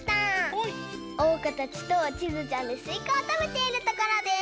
おうかたちとちづちゃんですいかをたべているところです。